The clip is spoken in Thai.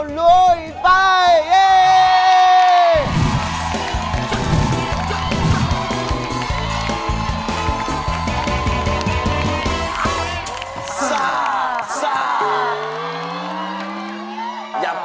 สา